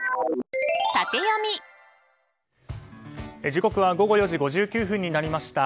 時刻は午後４時５９分になりました。